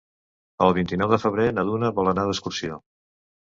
El vint-i-nou de febrer na Duna vol anar d'excursió.